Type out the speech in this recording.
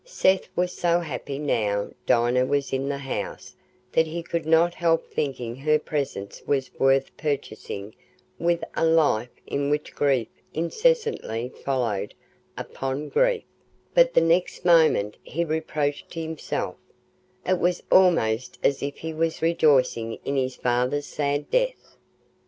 Seth was so happy now Dinah was in the house that he could not help thinking her presence was worth purchasing with a life in which grief incessantly followed upon grief; but the next moment he reproached himself—it was almost as if he were rejoicing in his father's sad death.